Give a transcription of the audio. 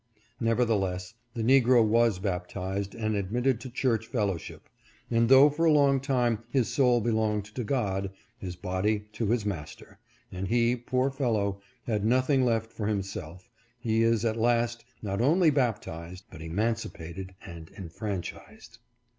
" Nevertheless the negro was baptized and admitted to church fellowship ; and though for a long time his soul belonged to God, his body to his master, and he, poor fellow, had nothing left for himself, he is at last not only baptized, but emancipated and enfranchised.